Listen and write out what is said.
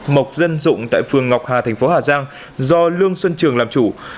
mộc dân dụng tại phường ngọc hà thành phố hà giang do lương xuân trường làm chủ